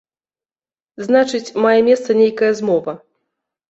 Значыць, мае месца нейкая змова.